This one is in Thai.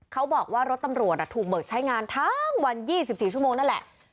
เขาบอกว่ารถตำรวจถูกเบิกใช้งานทั้งวัน๒๔ชั่วโมงนั่นแหละ